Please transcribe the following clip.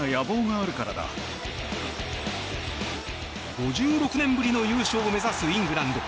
５６年ぶりの優勝を目指すイングランド。